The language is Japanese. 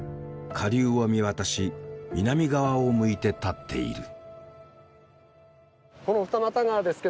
下流を見渡し南側を向いて立っている。